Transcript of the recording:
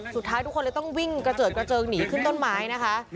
สุดท้ายทุกคนเลยต้องวิ่งกระเจิดกระเจิงหนีขึ้นต้นไม้นะคะ